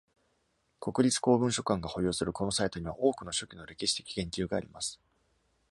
国立公文書館が保有するこのサイトには、多くの初期の歴史的言及があります。